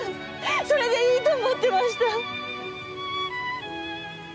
それでいいと思ってました。